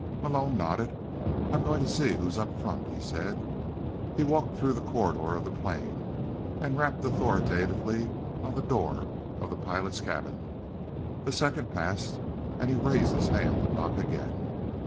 Malone nodded. "I'm going to see who's up front," he said. He walked through the corridors of the plane and rapped authoritatively on the door of the pilot's cabin. A second passed, and he raised his hand to knock again.